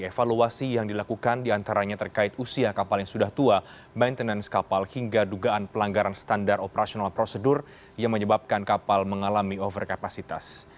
evaluasi yang dilakukan diantaranya terkait usia kapal yang sudah tua maintenance kapal hingga dugaan pelanggaran standar operasional prosedur yang menyebabkan kapal mengalami overkapasitas